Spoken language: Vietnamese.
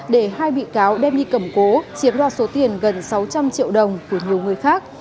để hai bị cáo đem đi cầm cố chiếm đoạt số tiền gần sáu trăm linh triệu đồng của nhiều người khác